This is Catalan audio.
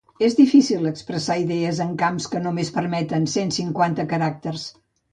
És difícil expressar idees en camps que només permeten cent-cinquanta caràcters.